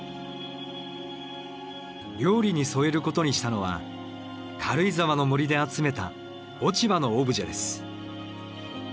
料理に添えることにしたのは軽井沢の森で集めた落ち葉のオブジェです。